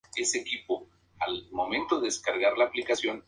Por muchos años fue traductor de ruso.